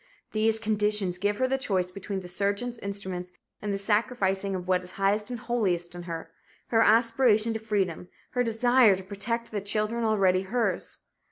These conditions give her the choice between the surgeon's instruments and the sacrificing of what is highest and holiest in her her aspiration to freedom, her desire to protect the children already hers.